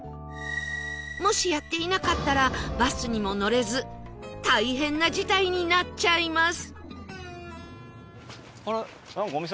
もしやっていなかったらバスにも乗れず大変な事態になっちゃいます